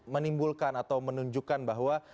menimbulkan atau menunjukkan bahwa